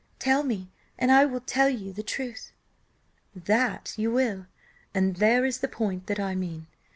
Tell me, and I will tell you the truth." "That you will, and there is the point that I mean.